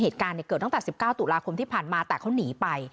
เหตุการณ์เกิดตั้งแต่๑๙ตุลาคมที่ผ่านมาแต่เขาหนีไป